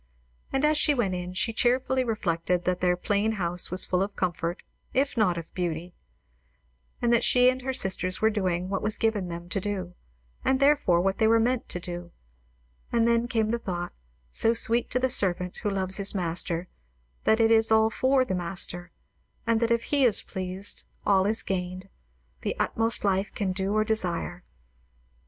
And as she went in she cheerfully reflected that their plain house was full of comfort, if not of beauty; and that she and her sisters were doing what was given them to do, and therefore what they were meant to do; and then came the thought, so sweet to the servant who loves his Master, that it is all for the Master; and that if he is pleased, all is gained, the utmost, that life can do or desire.